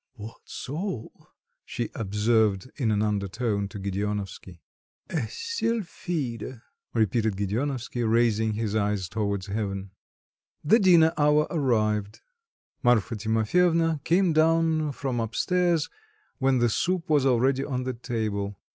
"What soul!" she observed in an undertone to Gedeonovsky. "A sylphide!" repeated Gedeonovsky, raising his eyes towards heaven. The dinner hour arrived. Marfa Timofyevna came down from up stairs, when the soup was already on the table.